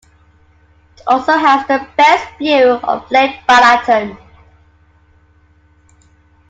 It also has the best view of Lake Balaton.